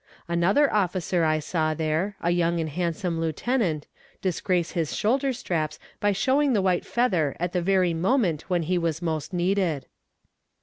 Another officer I saw there, a young and handsome lieutenant, disgrace his shoulder straps by showing the white feather at the very moment when he was most needed.